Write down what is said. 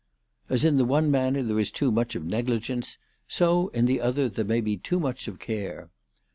As in the one manner there is too much of negligence, so in the other there may be too ALICE DUGDALE. 329 much of care.